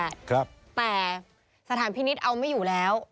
ครับแต่สถานพินิษฐ์เอาไม่อยู่แล้ว